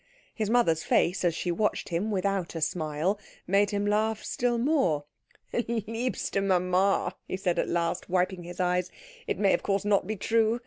His mother's face, as she watched him without a smile, made him laugh still more. "Liebste Mama," he said at last, wiping his eyes, "it may of course not be true.